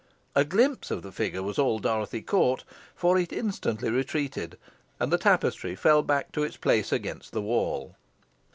A glimpse of the figure was all Dorothy caught, for it instantly retreated, and the tapestry fell back to its place against the wall.